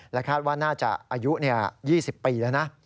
คาดว่าน่าจะอายุ๒๐ปีแล้วนะ